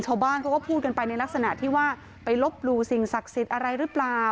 ชาวบ้านเขาก็พูดกันไปในลักษณะที่ว่าไปลบหลู่สิ่งศักดิ์สิทธิ์อะไรหรือเปล่า